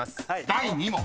［第２問］